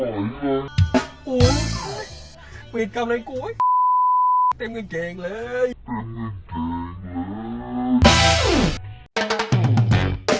โอ้ยเป็นกำลังกล้วย